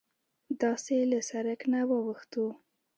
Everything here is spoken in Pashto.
داسې له سرک نه واوښتوو.